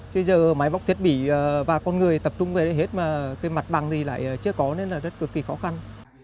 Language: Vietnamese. bây giờ máy bóc thiết bị và con người tập trung về hết mà cái mặt bằng thì lại chưa có nên là rất cực kỳ khó khăn